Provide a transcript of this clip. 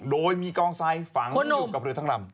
โดยมีกองทรายฝังอยู่กับเรือทั้งลำ